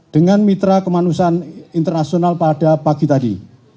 dengan mitra kemanusiaan internasional pada pagi tadi